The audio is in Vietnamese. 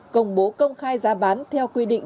công bố công khai giá bán theo quy định